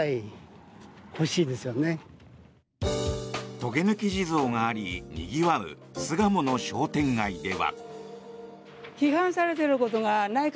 とげぬき地蔵があり、にぎわう巣鴨の商店街では。